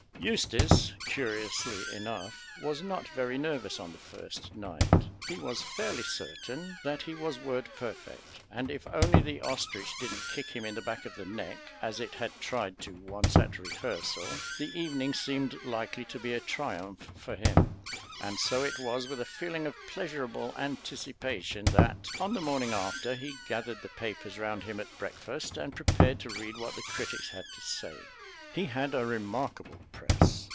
Eustace, curiously enough, was not very nervous on the first night. He was fairly certain that he was word perfect; and if only the ostrich didn't kick him in the back of the neck as it had tried to once at rehearsal the evening seemed likely to be a triumph for him. And so it was with a feeling of pleasurable anticipation that, on the morning after, he gathered the papers round him at breakfast, and prepared to read what the critics had to say. He had a remarkable Press.